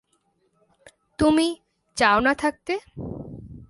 তুমি চাও না থাকতে।